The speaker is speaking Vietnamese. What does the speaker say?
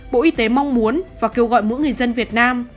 bộ y tế mong muốn và kêu gọi mỗi người dân việt nam